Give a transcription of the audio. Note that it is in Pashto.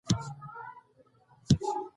د میرویس خان مقبره په کندهار کې ده.